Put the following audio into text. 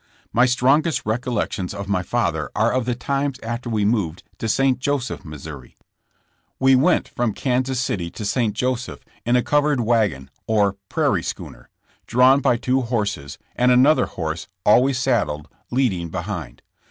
My strongest Tecollections of my father are of the times after we moved to St. Joseph, Mo. We went from Kansas City to St. Joseph in a covered wagon or "prairie schooner," drawn by two horses, and another horse, always saddled, leading behind.